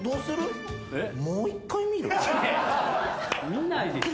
見ないでしょ。